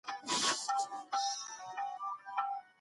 د ژوند هره پیښه زده کړې فرصت دی.